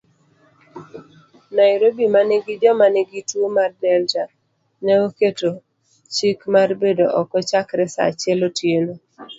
Nairobi manigi joma nigi tuo mar Delta, neoketo chik marbedo oko chakre saachiel otieno.